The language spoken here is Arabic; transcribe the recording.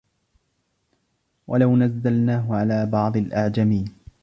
وَلَوْ نَزَّلْنَاهُ عَلَى بَعْضِ الْأَعْجَمِينَ